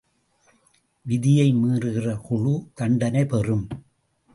விதியை மீறுகிற குழு தண்டனை பெறும்.